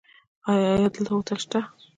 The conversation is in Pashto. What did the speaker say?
ایا دلته هوټل شته؟